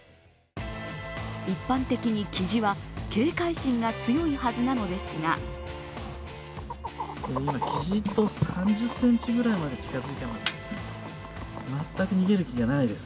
一般的にキジは警戒心が強いはずなのですが今、キジと３０ｃｍぐらいまで近付いています。